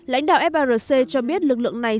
lãnh đạo firc cho biết lực lượng này